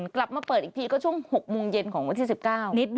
กลับมาเปิดอีกทีก็ช่วง๖โมงเย็นของวันที่๑๙นิดน